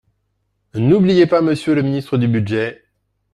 N’oubliez pas Monsieur le ministre du budget